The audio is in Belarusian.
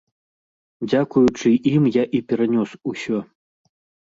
Дзякуючы ім я і перанёс усё.